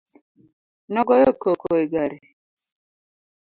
Nogoyo koko e gari.